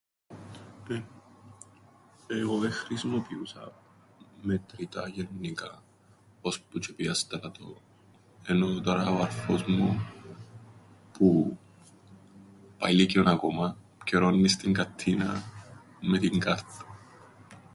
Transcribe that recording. Εεε... εγώ δεν χρησιμοποιούσα μετρητά γεννικά, ώσπου τζ̆' επήα στρατόν... ενώ τωρά ο αρφός μου, που... πάει λύκειον ακόμα, πκιερώννει στην καττίναν με την κάρταν.